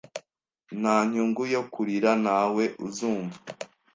Nta nyungu yo kurira. Ntawe uzumva.